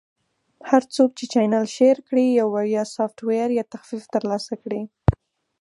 - هر څوک چې چینل Share کړي، یو وړیا سافټویر یا تخفیف ترلاسه کړي.